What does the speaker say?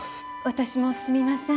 私もすみません